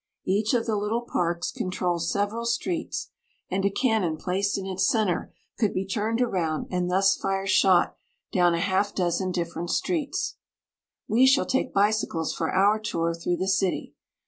Each of the little parks controls several streets, OUR NATIONAL CAPITAL. 21 and a cannon placed in its center could be turned around and thus fire shot down a half dozen different streets. We shall take bicycles for our tour through the city.